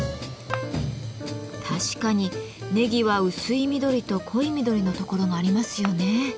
確かにネギは薄い緑と濃い緑のところがありますよね。